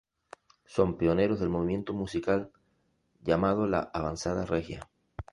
Son pioneros del movimiento musical llamado la Avanzada regia.